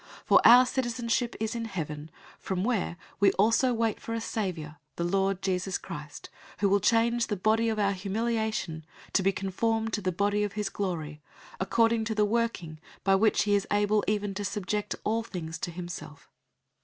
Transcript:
003:020 For our citizenship is in heaven, from where we also wait for a Savior, the Lord Jesus Christ; 003:021 who will change the body of our humiliation to be conformed to the body of his glory, according to the working by which he is able even to subject all things to himself.